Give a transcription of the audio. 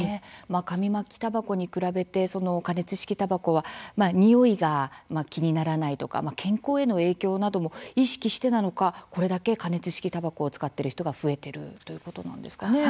紙巻きたばこに比べて加熱式たばこは匂いが気にならないとか健康への影響なども意識してなのかこれだけ加熱式たばこを使っている人が増えているということなんですかね。